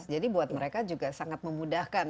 jadi buat mereka juga sangat memudahkan